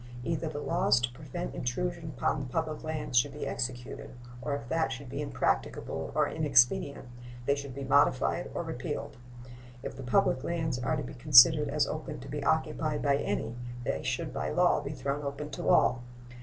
Either the laws to prevent intrusion upon the public lands should be executed, or, if that should be impracticable or inexpedient, they should be modified or repealed. If the public lands are to be considered as open to be occupied by any, they should by law be thrown open to all.